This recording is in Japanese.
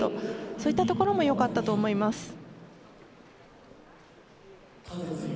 そういったところも良かったと思います。